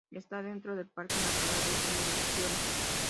Está dentro del Parque Natural de Urkiola.